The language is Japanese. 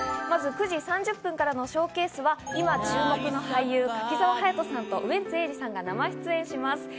まず９時３０分からのＳＨＯＷＣＡＳＥは今注目の俳優・柿澤勇人さんとウエンツ瑛士さんが生出演します。